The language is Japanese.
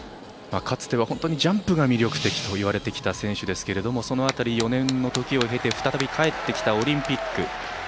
かつてはジャンプが魅力的といわれてきた選手ですがその辺り、４年のときを経て再び帰ってきたオリンピック。